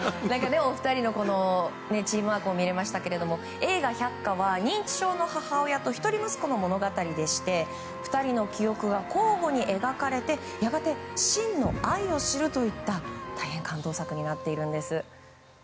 お二人のチームワークも見られましたけど映画「百花」は認知症の母親と一人息子の物語でして２人の記憶が交互に描かれてやがて、真の愛を知るといった感動作になっているんです。